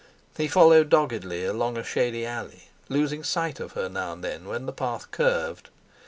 He followed doggedly along a shady alley, losing sight of her now and then when the path curved.